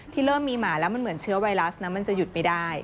เริ่มมีหมาแล้วมันเหมือนเชื้อไวรัสนะมันจะหยุดไม่ได้